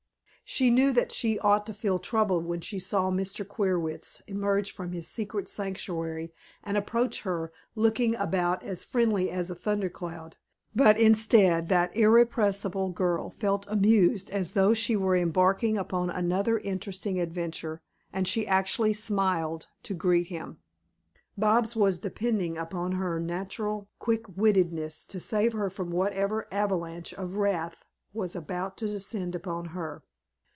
She knew that she ought to feel troubled when she saw Mr. Queerwitz emerge from his secret sanctum and approach her, looking about as friendly as a thunder cloud, but, instead, that irrepressible girl felt amused as though she were embarking upon another interesting adventure, and she actually smiled to greet him. Bobs was depending upon her natural quick wittedness to save her from whatever avalanche of wrath was about to descend upon her.